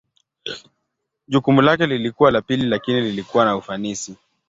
Jukumu lake lilikuwa la pili lakini lilikuwa na ufanisi.